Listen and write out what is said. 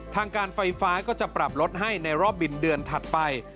ทางการไฟฟ้าก็จะปรับลดให้ในรอบบินเดือนถัดไป